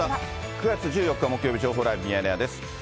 ９月１４日木曜日、情報ライブミヤネ屋です。